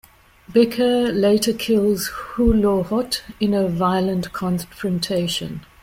Becker later kills Hulohot in a violent confrontation.